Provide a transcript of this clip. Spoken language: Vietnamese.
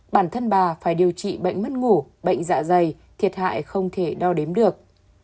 bản thân bà phải điều trị bệnh mất ngủ bệnh dạ dày thiệt hại không thể đo đếm được